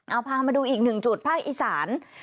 เอาพามาดูอีกหนึ่งจุดภาคอีสาน